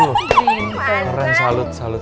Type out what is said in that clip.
keren salud salut